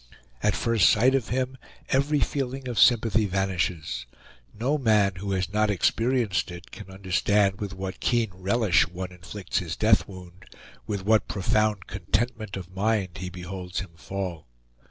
At first sight of him every feeling of sympathy vanishes; no man who has not experienced it can understand with what keen relish one inflicts his death wound, with what profound contentment of mind he beholds him fall.